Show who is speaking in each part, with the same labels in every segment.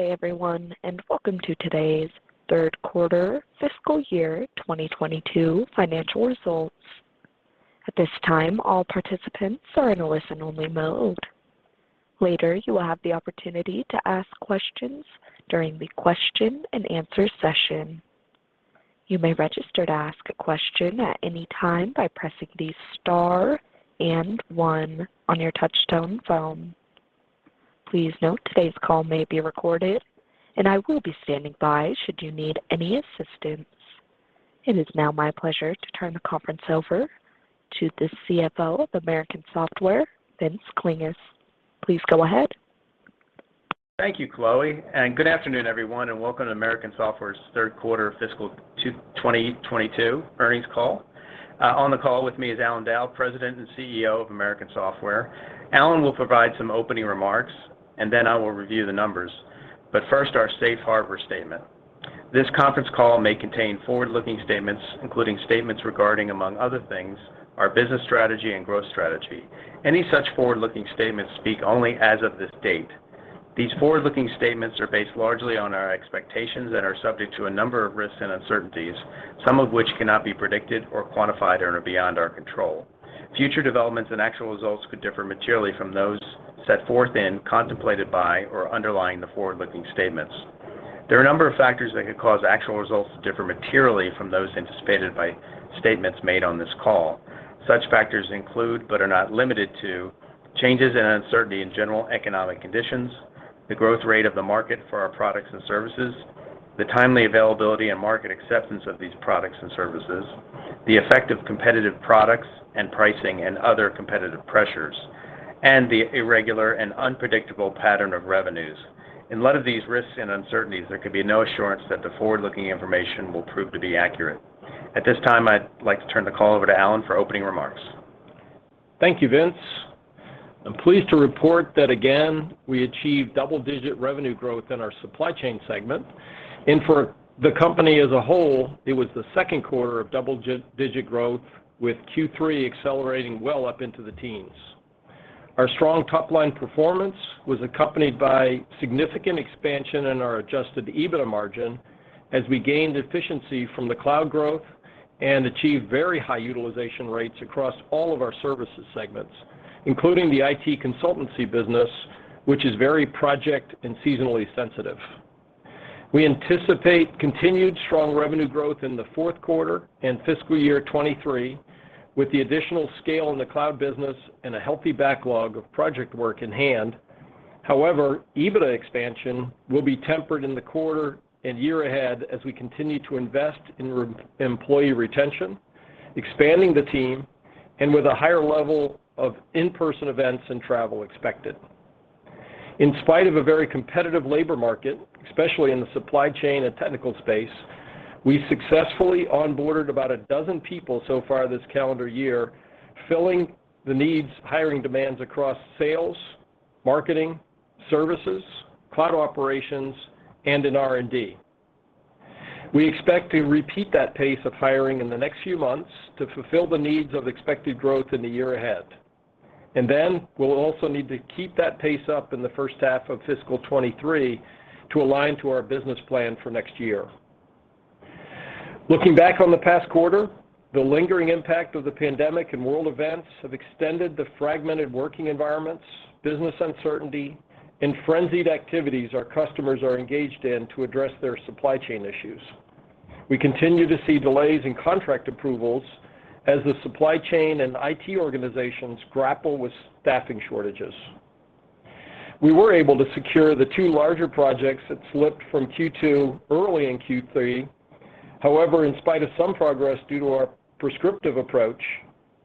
Speaker 1: Good day, everyone, and welcome to today's Q3 fiscal year 2022 financial results. At this time, all participants are in a listen-only mode. Later, you will have the opportunity to ask questions during the question and answer session. You may register to ask a question at any time by pressing the Star and one on your touch-tone phone. Please note today's call may be recorded, and I will be standing by should you need any assistance. It is now my pleasure to turn the conference over to the CFO of American Software, Vincent Klinges. Please go ahead.
Speaker 2: Thank you, Chloe, and good afternoon, everyone, and welcome to American Software's Q3 fiscal 2022 earnings call. On the call with me is Allan Dow, President and CEO of American Software. Allan will provide some opening remarks, and then I will review the numbers. First, our safe harbor statement. This conference call may contain forward-looking statements, including statements regarding, among other things, our business strategy and growth strategy. Any such forward-looking statements speak only as of this date. These forward-looking statements are based largely on our expectations and are subject to a number of risks and uncertainties, some of which cannot be predicted or quantified and are beyond our control. Future developments and actual results could differ materially from those set forth in, contemplated by, or underlying the forward-looking statements. There are a number of factors that could cause actual results to differ materially from those anticipated by statements made on this call. Such factors include, but are not limited to, changes and uncertainty in general economic conditions, the growth rate of the market for our products and services, the timely availability and market acceptance of these products and services, the effect of competitive products and pricing and other competitive pressures, and the irregular and unpredictable pattern of revenues. In light of these risks and uncertainties, there can be no assurance that the forward-looking information will prove to be accurate. At this time, I'd like to turn the call over to Allan for opening remarks.
Speaker 3: Thank you, Vince. I'm pleased to report that again we achieved double-digit revenue growth in our supply chain segment. For the company as a whole, it was the Q2 of double-digit growth with Q3 accelerating well up into the teens. Our strong top-line performance was accompanied by significant expansion in our adjusted EBITDA margin as we gained efficiency from the cloud growth and achieved very high utilization rates across all of our services segments, including the IT consultancy business, which is very project and seasonally sensitive. We anticipate continued strong revenue growth in the Q4 and fiscal year 2023 with the additional scale in the cloud business and a healthy backlog of project work in hand. However, EBITDA expansion will be tempered in the quarter and year ahead as we continue to invest in employee retention, expanding the team, and with a higher level of in-person events and travel expected. In spite of a very competitive labor market, especially in the supply chain and technical space, we successfully onboarded about a dozen people so far this calendar year, filling the needs, hiring demands across sales, marketing, services, cloud operations, and in R&D. We expect to repeat that pace of hiring in the next few months to fulfill the needs of expected growth in the year ahead. We'll also need to keep that pace up in the first half of fiscal 2023 to align to our business plan for next year. Looking back on the past quarter, the lingering impact of the pandemic and world events have extended the fragmented working environments, business uncertainty, and frenzied activities our customers are engaged in to address their supply chain issues. We continue to see delays in contract approvals as the supply chain and IT organizations grapple with staffing shortages. We were able to secure the two larger projects that slipped from Q2 early in Q3. However, in spite of some progress due to our prescriptive approach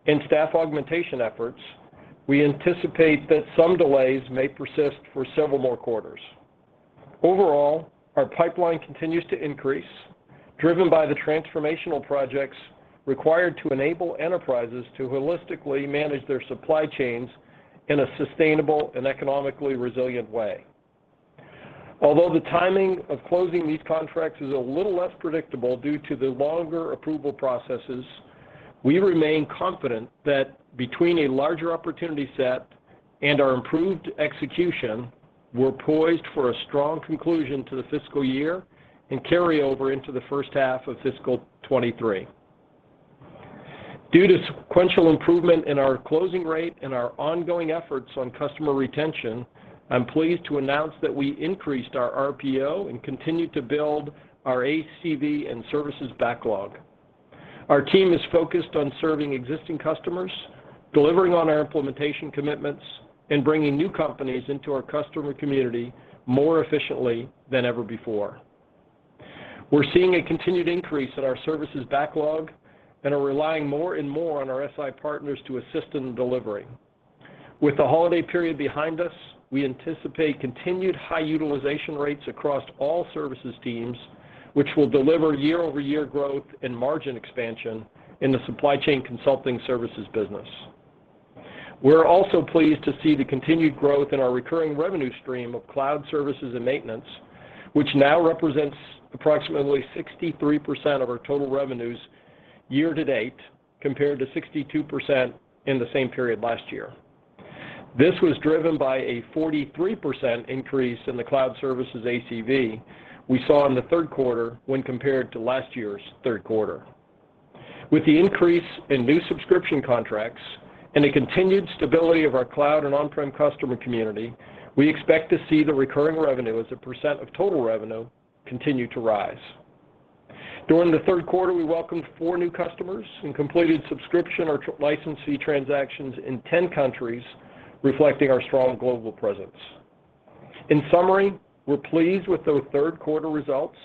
Speaker 3: and staff augmentation efforts, we anticipate that some delays may persist for several more quarters. Overall, our pipeline continues to increase, driven by the transformational projects required to enable enterprises to holistically manage their supply chains in a sustainable and economically resilient way. Although the timing of closing these contracts is a little less predictable due to the longer approval processes, we remain confident that between a larger opportunity set and our improved execution, we're poised for a strong conclusion to the fiscal year and carry over into the first half of fiscal 2023. Due to sequential improvement in our closing rate and our ongoing efforts on customer retention, I'm pleased to announce that we increased our RPO and continued to build our ACV and services backlog. Our team is focused on serving existing customers, delivering on our implementation commitments, and bringing new companies into our customer community more efficiently than ever before. We're seeing a continued increase in our services backlog and are relying more and more on our SI partners to assist in the delivery. With the holiday period behind us, we anticipate continued high utilization rates across all services teams, which will deliver year-over-year growth and margin expansion in the supply chain consulting services business. We're also pleased to see the continued growth in our recurring revenue stream of cloud services and maintenance, which now represents approximately 63% of our total revenues year-to-date, compared to 62% in the same period last year. This was driven by a 43% increase in the cloud services ACV we saw in the Q3 when compared to last year's Q3. With the increase in new subscription contracts and a continued stability of our cloud and on-prem customer community, we expect to see the recurring revenue as a percent of total revenue continue to rise. During the Q3, we welcomed four new customers and completed subscription or licensee transactions in 10 countries, reflecting our strong global presence. In summary, we're pleased with those Q3 results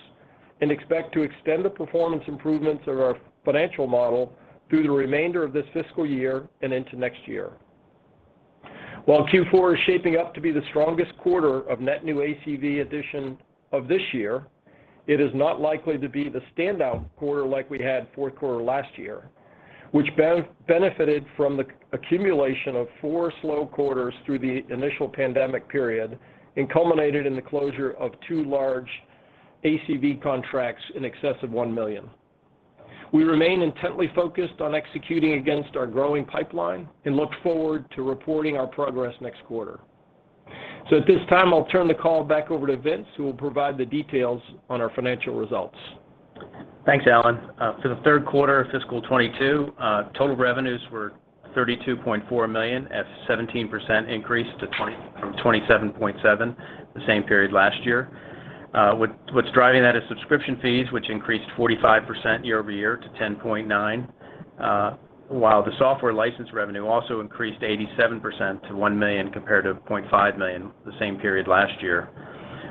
Speaker 3: and expect to extend the performance improvements of our financial model through the remainder of this fiscal year and into next year. While Q4 is shaping up to be the strongest quarter of net new ACV addition of this year, it is not likely to be the standout quarter like we had Q4 last year, which benefited from the accumulation of four slow quarters through the initial pandemic period and culminated in the closure of two large ACV contracts in excess of $1 million. We remain intently focused on executing against our growing pipeline and look forward to reporting our progress next quarter. At this time, I'll turn the call back over to Vince, who will provide the details on our financial results.
Speaker 2: Thanks, Allan. For the Q3 of fiscal 2022, total revenues were $32.4 million, a 17% increase from $27.7 million the same period last year. What's driving that is subscription fees, which increased 45% year-over-year to $10.9 million, while the software license revenue also increased 87% to $1 million compared to $0.5 million the same period last year.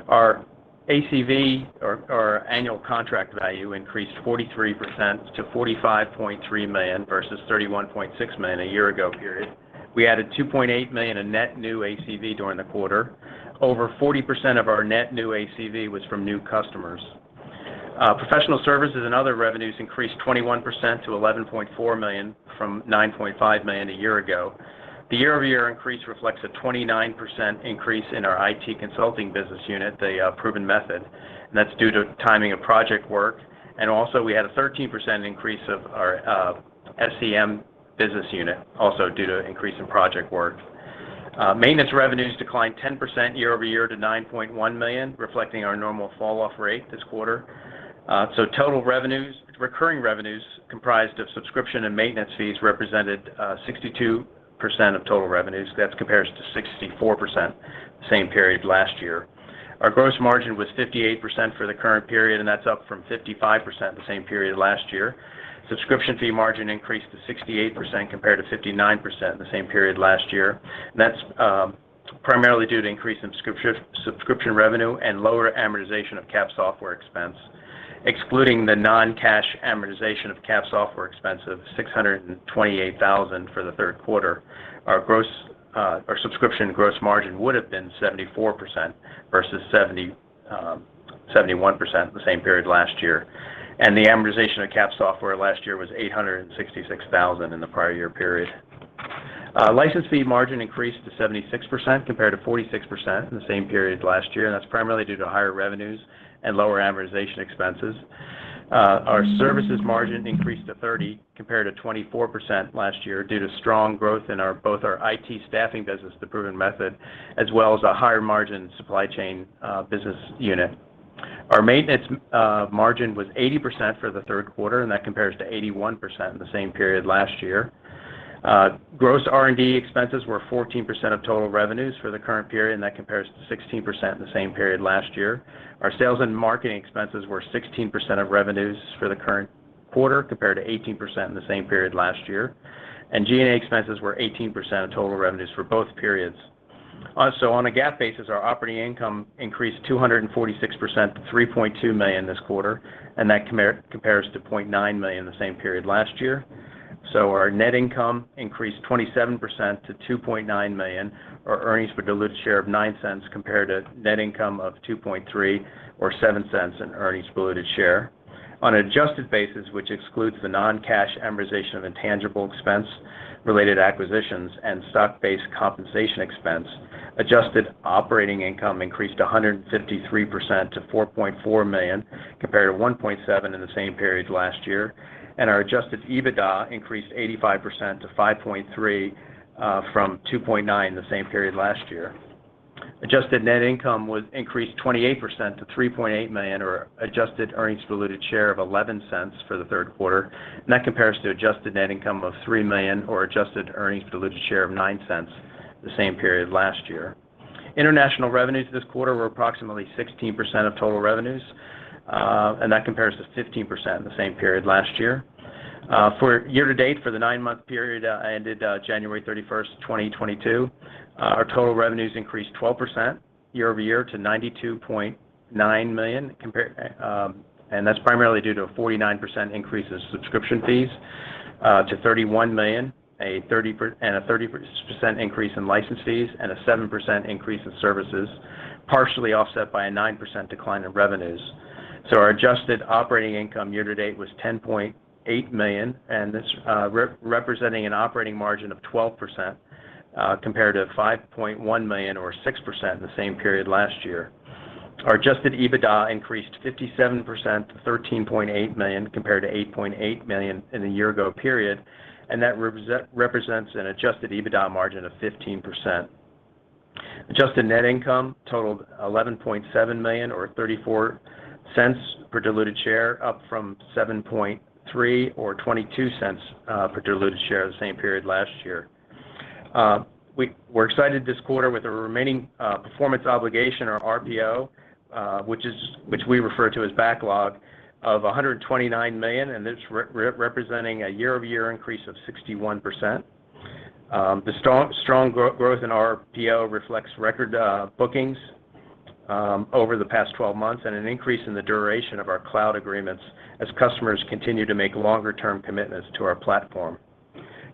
Speaker 2: Our ACV or annual contract value increased 43% to $45.3 million versus $31.6 million a year ago period. We added $2.8 million in net new ACV during the quarter. Over 40% of our net new ACV was from new customers. Professional services and other revenues increased 21% to $11.4 million from $9.5 million a year ago. The year-over-year increase reflects a 29% increase in our IT consulting business unit, The Proven Method, and that's due to timing of project work. We had a 13% increase of our SCM business unit, also due to increase in project work. Maintenance revenues declined 10% year-over-year to $9.1 million, reflecting our normal falloff rate this quarter. Total recurring revenues comprised of subscription and maintenance fees represented 62% of total revenues. That compares to 64% the same period last year. Our gross margin was 58% for the current period, and that's up from 55% the same period last year. Subscription fee margin increased to 68% compared to 59% in the same period last year. That's primarily due to increase in subscription revenue and lower amortization of capitalized software expense. Excluding the non-cash amortization of capitalized software expense of $628,000 for the Q3, our subscription gross margin would have been 74% versus 71% the same period last year. The amortization of capitalized software last year was $866,000 in the prior year period. License fee margin increased to 76% compared to 46% in the same period last year, and that's primarily due to higher revenues and lower amortization expenses. Our services margin increased to 30% compared to 24% last year due to strong growth in both our IT staffing business, the Proven Method, as well as a higher margin supply chain business unit. Our maintenance margin was 80% for the Q3, and that compares to 81% in the same period last year. Gross R&D expenses were 14% of total revenues for the current period, and that compares to 16% in the same period last year. Our sales and marketing expenses were 16% of revenues for the current quarter, compared to 18% in the same period last year. G&A expenses were 18% of total revenues for both periods. On a GAAP basis, our operating income increased 246% to $3.2 million this quarter, and that compares to $0.9 million the same period last year. Our net income increased 27% to $2.9 million, or earnings per diluted share of $0.09 compared to net income of $2.3 million or $0.07 in earnings per diluted share. On an adjusted basis, which excludes the non-cash amortization of intangible expense related acquisitions and stock-based compensation expense, adjusted operating income increased 153% to $4.4 million, compared to $1.7 million in the same period last year. Our adjusted EBITDA increased 85% to $5.3 million from $2.9 million the same period last year. Adjusted net income was increased 28% to $3.8 million, or adjusted earnings per diluted share of $0.11 for the Q3. That compares to adjusted net income of $3 million or adjusted earnings per diluted share of $0.09 the same period last year. International revenues this quarter were approximately 16% of total revenues, and that compares to 15% the same period last year. For year to date, for the nine-month period ended January 31, 2022, our total revenues increased 12% year-over-year to $92.9 million, and that's primarily due to a 49% increase in subscription fees to $31 million, a 30% increase in licenses and a 7% increase in services, partially offset by a 9% decline in revenues. Our adjusted operating income year to date was $10.8 million, and this representing an operating margin of 12%, compared to $5.1 million or 6% the same period last year. Our adjusted EBITDA increased 57% to $13.8 million compared to $8.8 million in the year-ago period, and that represents an adjusted EBITDA margin of 15%. Adjusted net income totaled $11.7 million or $0.34 per diluted share, up from $7.3 million or $0.22 per diluted share the same period last year. We're excited this quarter with the remaining performance obligation or RPO, which we refer to as backlog of $129 million, and it's representing a year-over-year increase of 61%. The strong growth in RPO reflects record bookings over the past 12 months and an increase in the duration of our cloud agreements as customers continue to make longer-term commitments to our platform.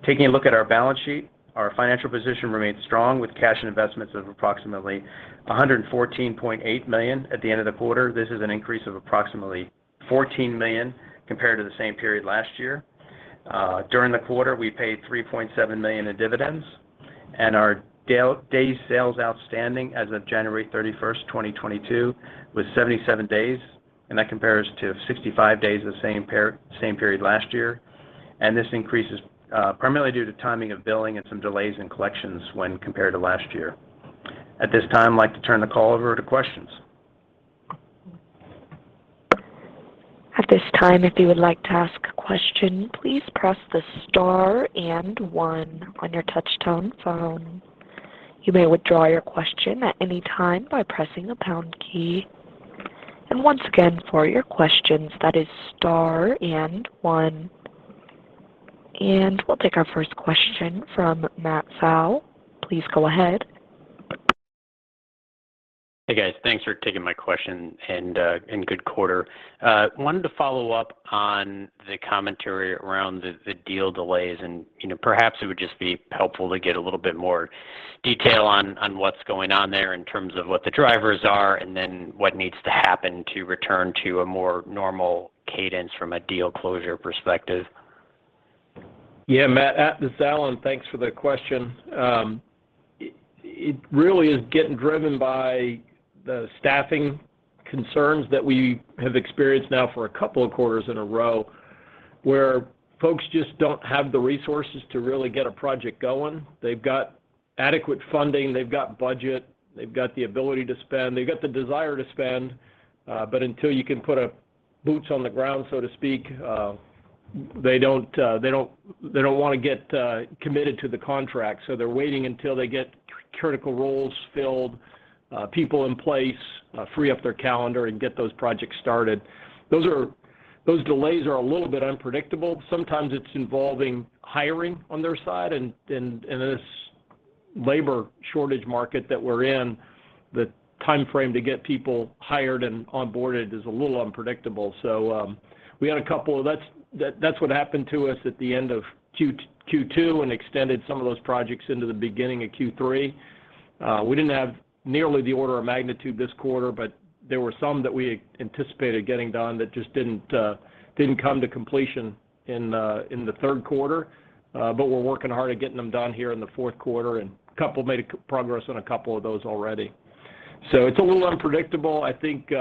Speaker 2: Taking a look at our balance sheet, our financial position remains strong with cash and investments of approximately $114.8 million at the end of the quarter. This is an increase of approximately $14 million compared to the same period last year. During the quarter, we paid $3.7 million in dividends and our days sales outstanding as of January 31, 2022 was 77 days, and that compares to 65 days the same period last year. This increase is primarily due to timing of billing and some delays in collections when compared to last year. At this time, I'd like to turn the call over to questions.
Speaker 1: At this time, if you would like to ask a question, please press the star and one on your touchtone phone. You may withdraw your question at any time by pressing the pound key. Once again, for your questions, that is star and one. We'll take our first question from Matthew Pfau. Please go ahead.
Speaker 4: Hey, guys. Thanks for taking my question and good quarter. Wanted to follow up on the commentary around the deal delays and, you know, perhaps it would just be helpful to get a little bit more detail on what's going on there in terms of what the drivers are and then what needs to happen to return to a more normal cadence from a deal closure perspective.
Speaker 3: Yeah. Matt, this is Allan. Thanks for the question. It really is getting driven by the staffing concerns that we have experienced now for a couple of quarters in a row, where folks just don't have the resources to really get a project going. They've got adequate funding, they've got budget, they've got the ability to spend, they've got the desire to spend, but until you can put a boots on the ground, so to speak, they don't wanna get committed to the contract, so they're waiting until they get critical roles filled, people in place, free up their calendar and get those projects started. Those delays are a little bit unpredictable. Sometimes it's involving hiring on their side and in this labor shortage market that we're in, the timeframe to get people hired and onboarded is a little unpredictable. We had a couple of. That's what happened to us at the end of Q2 and extended some of those projects into the beginning of Q3. We didn't have nearly the order of magnitude this quarter, but there were some that we anticipated getting done that just didn't come to completion in the Q3. We're working hard at getting them done here in the Q4, and a couple made progress on a couple of those already. It's a little unpredictable. I think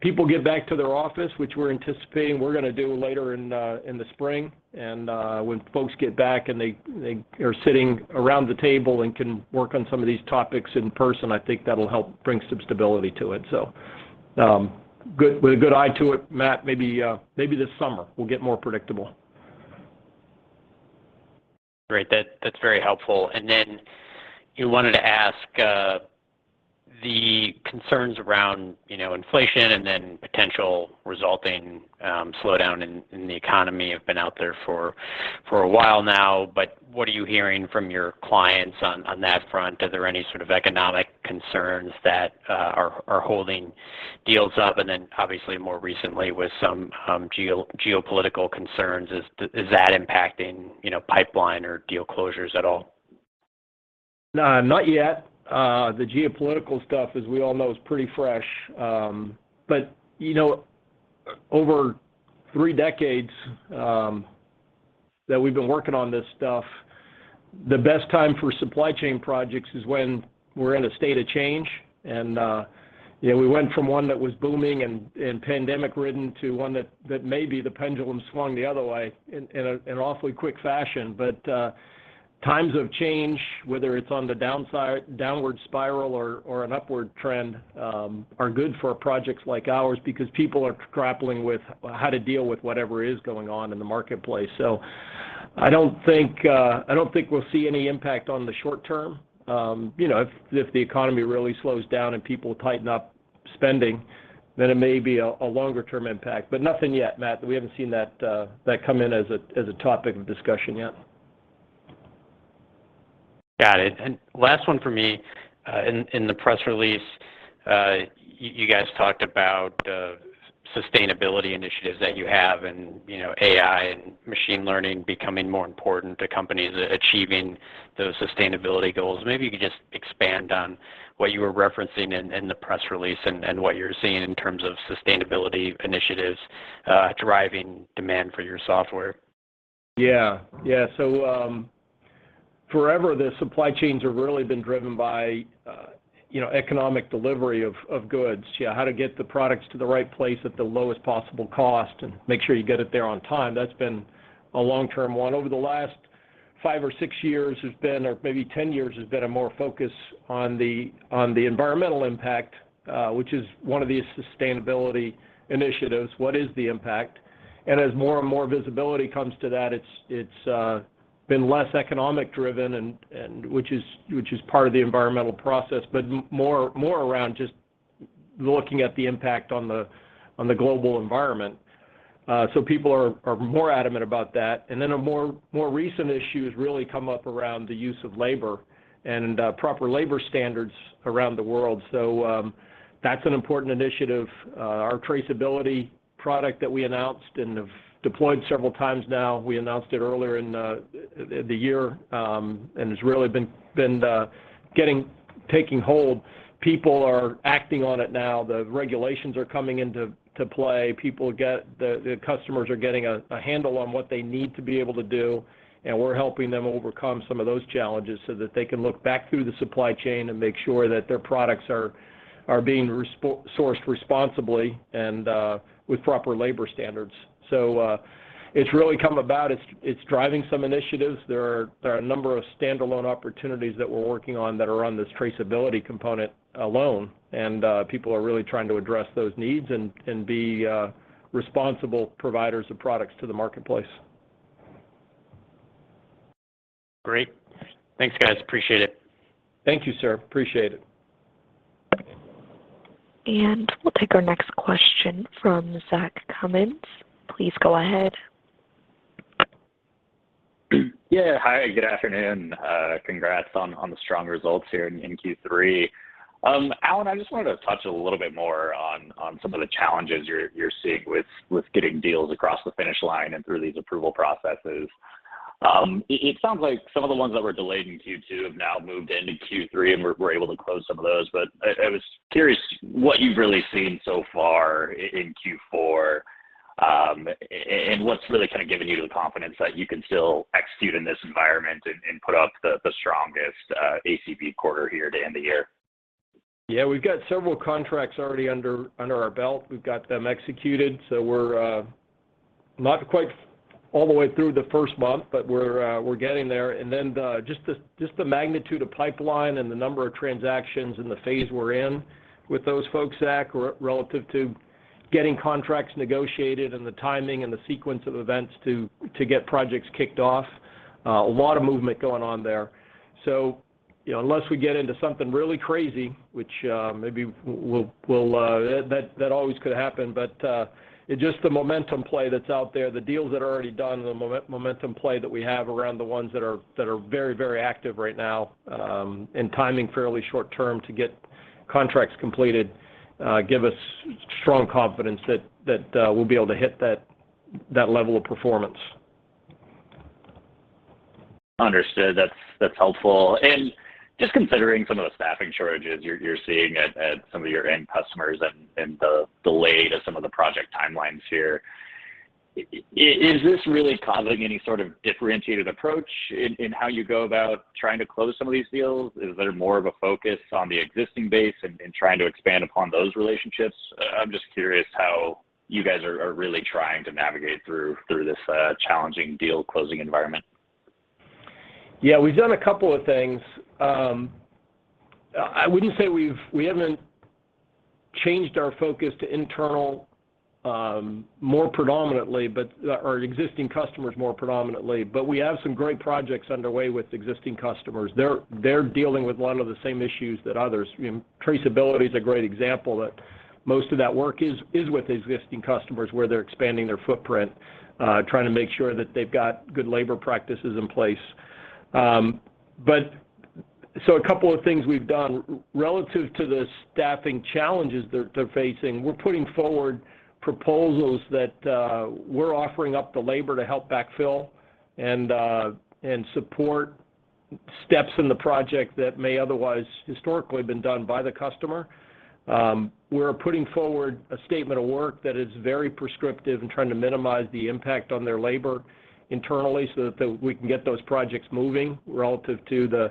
Speaker 3: people get back to their office, which we're anticipating we're gonna do later in the spring. when folks get back and they are sitting around the table and can work on some of these topics in person, I think that'll help bring some stability to it. With a good eye to it, Matt, maybe this summer will get more predictable.
Speaker 4: Great. That's very helpful. Then you wanted to ask the concerns around, you know, inflation and then potential resulting slowdown in the economy have been out there for a while now. What are you hearing from your clients on that front? Are there any sort of economic concerns that are holding deals up? Then obviously more recently with some geopolitical concerns, is that impacting, you know, pipeline or deal closures at all?
Speaker 3: No, not yet. The geopolitical stuff, as we all know, is pretty fresh. You know, over three decades that we've been working on this stuff, the best time for supply chain projects is when we're in a state of change. You know, we went from one that was booming and pandemic-ridden to one that maybe the pendulum swung the other way in an awfully quick fashion. Times of change, whether it's on the downside downward spiral or an upward trend, are good for projects like ours because people are grappling with how to deal with whatever is going on in the marketplace. I don't think we'll see any impact on the short term. You know, if the economy really slows down and people tighten up spending, then it may be a longer term impact. Nothing yet, Matt. We haven't seen that come in as a topic of discussion yet.
Speaker 4: Got it. Last one for me. In the press release, you guys talked about sustainability initiatives that you have and, you know, AI and machine learning becoming more important to companies achieving those sustainability goals. Maybe you could just expand on what you were referencing in the press release and what you're seeing in terms of sustainability initiatives driving demand for your software.
Speaker 3: Yeah, forever, the supply chains have really been driven by, you know, economic delivery of goods, how to get the products to the right place at the lowest possible cost and make sure you get it there on time. That's been a long-term one. Over the last five or six years has been, or maybe 10 years, has been more of a focus on the environmental impact, which is one of the sustainability initiatives. What is the impact? As more and more visibility comes to that, it's been less economic-driven, which is part of the environmental process, but more around just looking at the impact on the global environment. People are more adamant about that. Then a more recent issue has really come up around the use of labor and proper labor standards around the world. That's an important initiative. Our traceability product that we announced and have deployed several times now, we announced it earlier in the year, and has really been taking hold. People are acting on it now. The regulations are coming into play. The customers are getting a handle on what they need to be able to do, and we're helping them overcome some of those challenges so that they can look back through the supply chain and make sure that their products are being sourced responsibly and with proper labor standards. It's really come about. It's driving some initiatives. There are a number of standalone opportunities that we're working on that are on this traceability component alone, and people are really trying to address those needs and be responsible providers of products to the marketplace.
Speaker 4: Great. Thanks, guys. Appreciate it.
Speaker 3: Thank you, sir. Appreciate it.
Speaker 1: We'll take our next question from Zach Cummins. Please go ahead.
Speaker 5: Yeah. Hi, good afternoon. Congrats on the strong results here in Q3. Allan, I just wanted to touch a little bit more on some of the challenges you're seeing with getting deals across the finish line and through these approval processes. It sounds like some of the ones that were delayed in Q2 have now moved into Q3, and we're able to close some of those. I was curious what you've really seen so far in Q4, and what's really kind of given you the confidence that you can still execute in this environment and put up the strongest ACV quarter here to end the year?
Speaker 3: Yeah. We've got several contracts already under our belt. We've got them executed, so we're not quite all the way through the first month, but we're getting there. Then just the magnitude of pipeline and the number of transactions and the phase we're in with those folks, Zach, relative to getting contracts negotiated and the timing and the sequence of events to get projects kicked off, a lot of movement going on there. You know, unless we get into something really crazy, which maybe we'll. That always could happen. It's just the momentum play that's out there, the deals that are already done and the momentum play that we have around the ones that are very, very active right now, and timing fairly short term to get contracts completed give us strong confidence that we'll be able to hit that level of performance.
Speaker 5: Understood. That's helpful. Just considering some of the staffing shortages you're seeing at some of your end customers and the delay to some of the project timelines here, is this really causing any sort of differentiated approach in how you go about trying to close some of these deals? Is there more of a focus on the existing base and trying to expand upon those relationships? I'm just curious how you guys are really trying to navigate through this challenging deal closing environment.
Speaker 3: Yeah. We've done a couple of things. We haven't changed our focus to internal more predominantly, but or existing customers more predominantly, but we have some great projects underway with existing customers. They're dealing with a lot of the same issues that others. You know, traceability is a great example that most of that work is with existing customers, where they're expanding their footprint, trying to make sure that they've got good labor practices in place. A couple of things we've done relative to the staffing challenges they're facing. We're putting forward proposals that we're offering up the labor to help backfill and support steps in the project that may otherwise historically been done by the customer. We're putting forward a statement of work that is very prescriptive and trying to minimize the impact on their labor internally so that we can get those projects moving relative to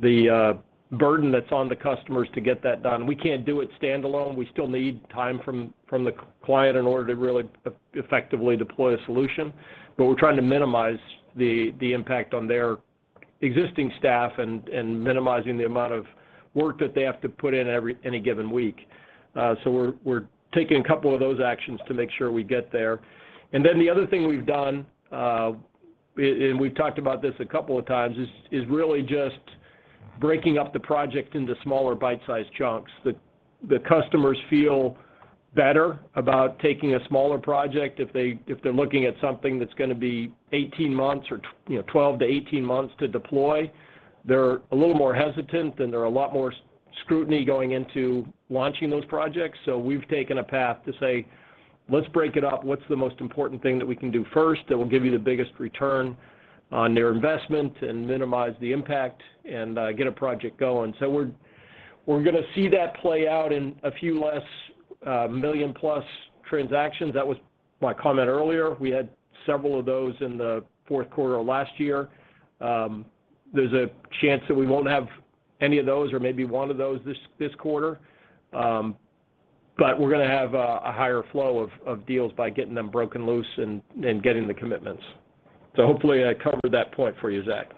Speaker 3: the burden that's on the customers to get that done. We can't do it standalone. We still need time from the client in order to really effectively deploy a solution. We're trying to minimize the impact on their existing staff and minimizing the amount of work that they have to put in any given week. We're taking a couple of those actions to make sure we get there. The other thing we've done, and we've talked about this a couple of times, is really just breaking up the project into smaller bite-sized chunks. The customers feel better about taking a smaller project. If they're looking at something that's gonna be 18 months or, you know, 12 to 18 months to deploy, they're a little more hesitant, and there are a lot more scrutiny going into launching those projects. We've taken a path to say, "Let's break it up. What's the most important thing that we can do first that will give you the biggest return on your investment and minimize the impact and get a project going?" We're gonna see that play out in a few less million-plus transactions. That was my comment earlier. We had several of those in the Q4 of last year. There's a chance that we won't have any of those or maybe one of those this quarter. We're gonna have a higher flow of deals by getting them broken loose and getting the commitments. Hopefully I covered that point for you, Zach.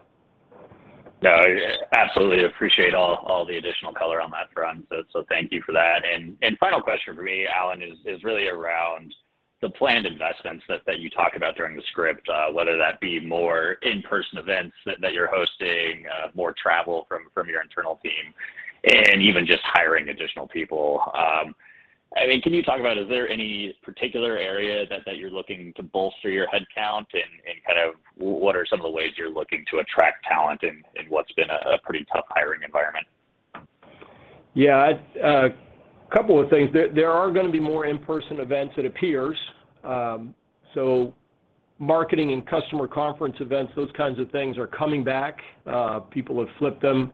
Speaker 5: No, yeah, absolutely appreciate all the additional color on that front, so thank you for that. Final question for me, Allan, is really around the planned investments that you talk about during the script, whether that be more in-person events that you're hosting, more travel from your internal team, and even just hiring additional people. I mean, can you talk about is there any particular area that you're looking to bolster your head count, and kind of what are some of the ways you're looking to attract talent in what's been a pretty tough hiring environment?
Speaker 3: Yeah. A couple of things. There are gonna be more in-person events, it appears. So marketing and customer conference events, those kinds of things are coming back. People have flipped them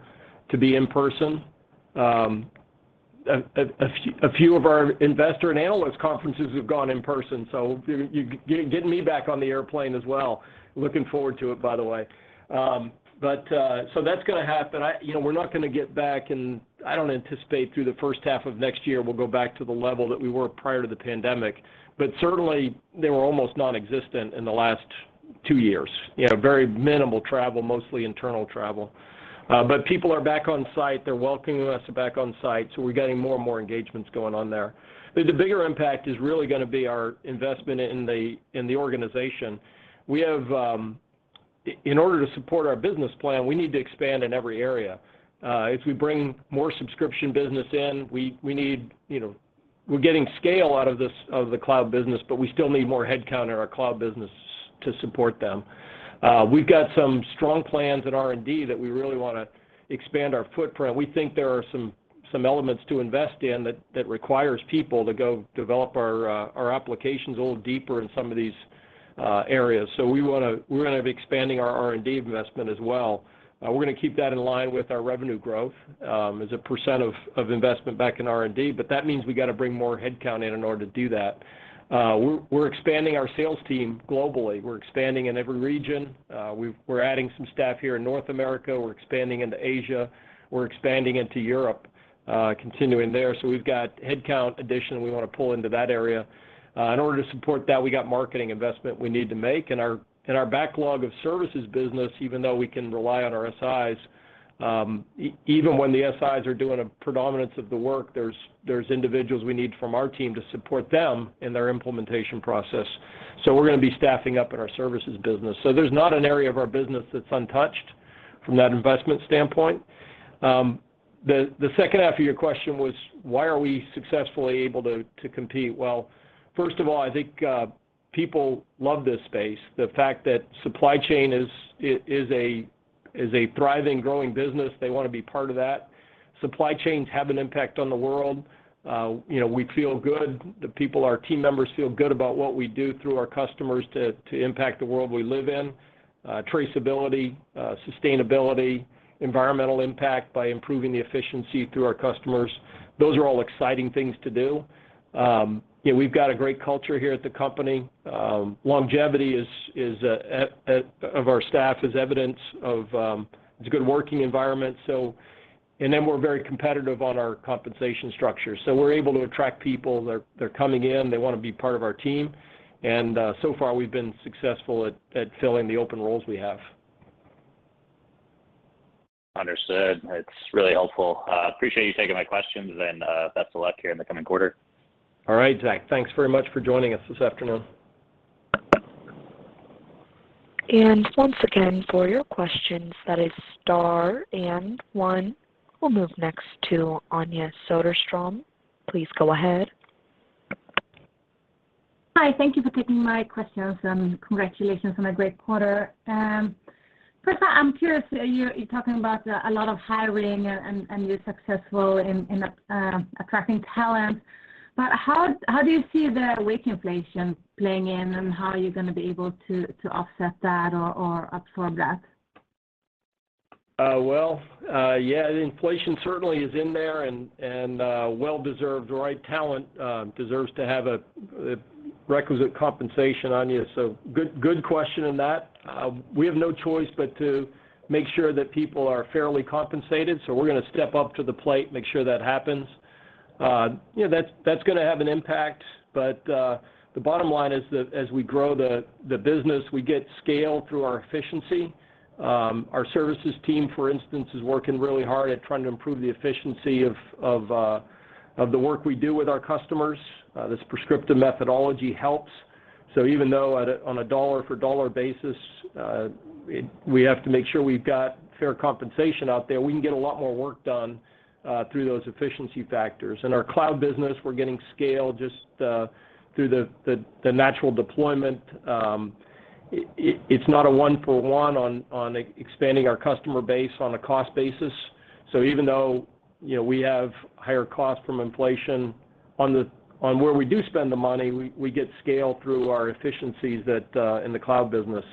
Speaker 3: to be in person. A few of our investor and analyst conferences have gone in person, so you're getting me back on the airplane as well. Looking forward to it, by the way. That's gonna happen. You know, we're not gonna get back and I don't anticipate through the first half of next year we'll go back to the level that we were prior to the pandemic. Certainly, they were almost nonexistent in the last two years. You know, very minimal travel, mostly internal travel. People are back on site. They're welcoming us back on site, so we're getting more and more engagements going on there. I think the bigger impact is really gonna be our investment in the organization. In order to support our business plan, we need to expand in every area. If we bring more subscription business in, we need you know, we're getting scale out of this, of the cloud business, but we still need more headcount in our cloud business to support them. We've got some strong plans in R&D that we really wanna expand our footprint. We think there are some elements to invest in that requires people to go develop our applications a little deeper in some of these areas. We're gonna be expanding our R&D investment as well. We're gonna keep that in line with our revenue growth, as a percent of investment back in R&D, but that means we got to bring more headcount in order to do that. We're expanding our sales team globally. We're expanding in every region. We're adding some staff here in North America. We're expanding into Asia. We're expanding into Europe, continuing there. We've got headcount addition we wanna pull into that area. In order to support that, we got marketing investment we need to make. In our backlog of services business, even though we can rely on our SIs, even when the SIs are doing a predominance of the work, there's individuals we need from our team to support them in their implementation process. We're gonna be staffing up in our services business. There's not an area of our business that's untouched from that investment standpoint. The second half of your question was why are we successfully able to compete well? First of all, I think people love this space. The fact that supply chain is a thriving, growing business, they wanna be part of that. Supply chains have an impact on the world. You know, we feel good. The people, our team members feel good about what we do through our customers to impact the world we live in. Traceability, sustainability, environmental impact by improving the efficiency through our customers, those are all exciting things to do. Yeah, we've got a great culture here at the company. Longevity of our staff is evidence of it's a good working environment. We're very competitive on our compensation structure. We're able to attract people. They're coming in. They wanna be part of our team. So far we've been successful at filling the open roles we have.
Speaker 5: Understood. It's really helpful. I appreciate you taking my questions, and best of luck here in the coming quarter.
Speaker 3: All right, Zach. Thanks very much for joining us this afternoon.
Speaker 1: We'll move next to Anja Soderstrom. Please go ahead.
Speaker 6: Hi. Thank you for taking my questions, and congratulations on a great quarter. First I'm curious, you're talking about a lot of hiring and you're successful in attracting talent. How do you see the wage inflation playing in, and how are you gonna be able to offset that or absorb that?
Speaker 3: The inflation certainly is in there, and well deserved. The right talent deserves to have a requisite compensation, Anja. Good question on that. We have no choice but to make sure that people are fairly compensated, so we're gonna step up to the plate, make sure that happens. You know, that's gonna have an impact. The bottom line is that as we grow the business, we get scale through our efficiency. Our services team, for instance, is working really hard at trying to improve the efficiency of the work we do with our customers. This prescriptive methodology helps. Even though on a dollar for dollar basis, we have to make sure we've got fair compensation out there, we can get a lot more work done through those efficiency factors. In our cloud business, we're getting scale just through the natural deployment. It's not a one for one on expanding our customer base on a cost basis. Even though, you know, we have higher costs from inflation on where we do spend the money, we get scale through our efficiencies that in the cloud business.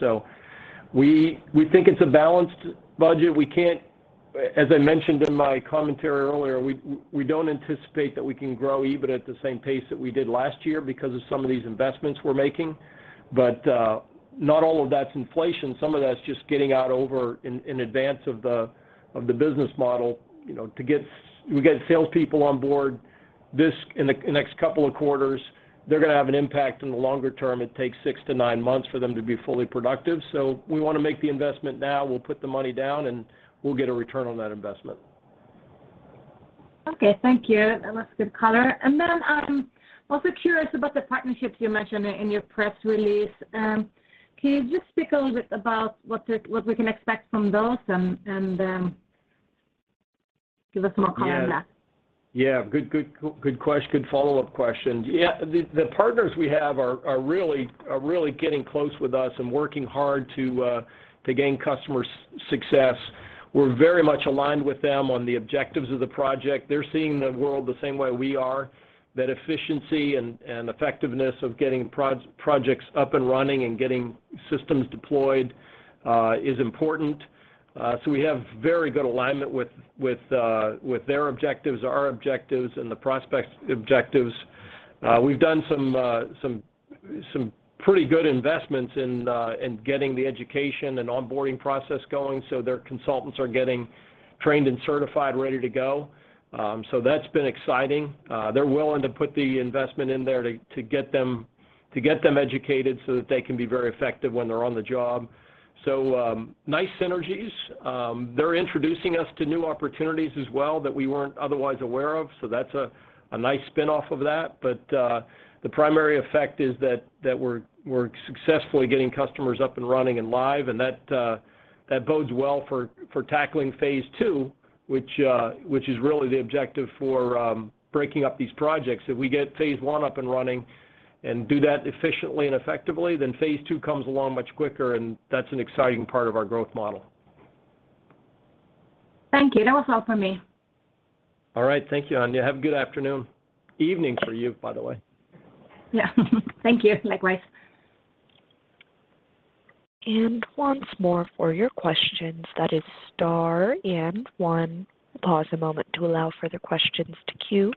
Speaker 3: We think it's a balanced budget. We can't, as I mentioned in my commentary earlier, we don't anticipate that we can grow even at the same pace that we did last year because of some of these investments we're making. Not all of that's inflation. Some of that's just getting overhead in advance of the business model, you know, to get salespeople on board. Next couple of quarters, they're gonna have an impact in the longer term. It takes six-nine months for them to be fully productive. We wanna make the investment now. We'll put the money down, and we'll get a return on that investment.
Speaker 6: Okay. Thank you. That was good color. I'm also curious about the partnerships you mentioned in your press release. Can you just speak a little bit about what we can expect from those and give us more color on that?
Speaker 3: Yeah. Good follow-up question. Yeah. The partners we have are really getting close with us and working hard to gain customer success. We're very much aligned with them on the objectives of the project. They're seeing the world the same way we are, that efficiency and effectiveness of getting projects up and running and getting systems deployed is important. We have very good alignment with their objectives, our objectives, and the prospect's objectives. We've done some pretty good investments in getting the education and onboarding process going, so their consultants are getting trained and certified, ready to go. That's been exciting. They're willing to put the investment in there to get them educated so that they can be very effective when they're on the job. Nice synergies. They're introducing us to new opportunities as well that we weren't otherwise aware of, so that's a nice spin-off of that. The primary effect is that we're successfully getting customers up and running and live, and that bodes well for tackling phase two, which is really the objective for breaking up these projects. If we get phase one up and running and do that efficiently and effectively, then phase two comes along much quicker, and that's an exciting part of our growth model.
Speaker 6: Thank you. That was all for me.
Speaker 3: All right. Thank you, Anja. Have a good afternoon. Evening for you, by the way.
Speaker 6: Yeah. Thank you. Likewise.
Speaker 1: And once more for your questions, that is star and one. We'll pause a moment to allow further questions to queue.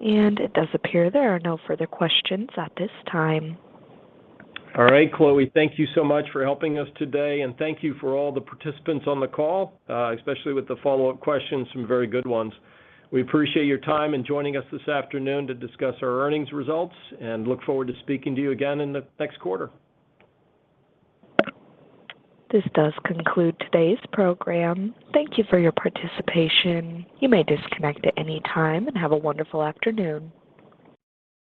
Speaker 1: And it does appear there are no further questions at this time.
Speaker 3: All right. Chloe, thank you so much for helping us today, and thank you for all the participants on the call, especially with the follow-up questions, some very good ones. We appreciate your time in joining us this afternoon to discuss our earnings results and look forward to speaking to you again in the next quarter.
Speaker 1: This does conclude today's program. Thank you for your participation. You may disconnect at any time, and have a wonderful afternoon.